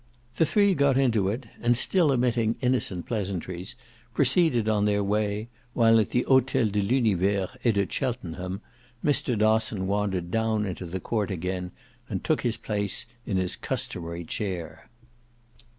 The three got into it and, still emitting innocent pleasantries, proceeded on their way, while at the Hotel de l'Univers et de Cheltenham Mr. Dosson wandered down into the court again and took his place in his customary chair.